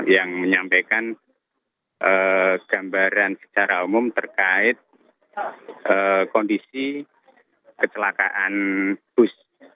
yang menyampaikan gambaran secara umum terkait kondisi kecelakaan bus